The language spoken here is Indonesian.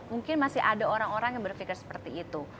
mungkin masih ada orang orang yang berpikir seperti itu